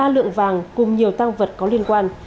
ba lượng vàng cùng nhiều tăng vật có liên quan